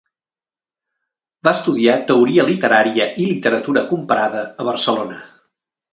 Va estudiar Teoria literària i Literatura comparada a Barcelona.